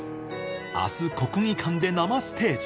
あす、国技館で生ステージ。